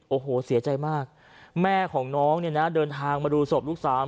โอ้โหเสียใจมากแม่ของน้องเนี่ยนะเดินทางมาดูศพลูกสาว